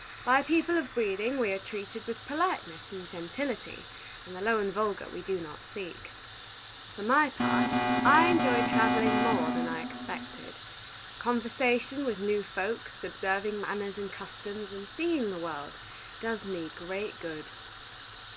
By people of breeding we are treated with politeness and gentility, and the low and vulgar we do not seek. For my part, I enjoy travelling more than I expected. Conversation with new folks, observing manners and customs, and seeing the world, does me great good.